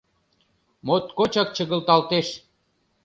Моткочак чыгылталтеш.